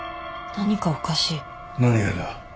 何がだ？